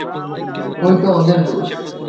ঐ তো ওদের দোষ।